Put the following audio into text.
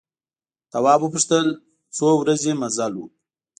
تواب وپوښتل څو ورځې مزل و.